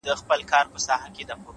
چي مي بایللی و وه هغه کس ته ودرېدم